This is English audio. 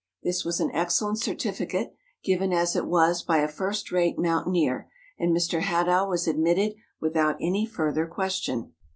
This was an excellent certificate, given as it was by a first rate mountaineer, and Mr. Hadow was ad¬ mitted without any further question.